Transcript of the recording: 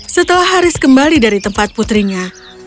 setelah haris kembali dari tempat putrinya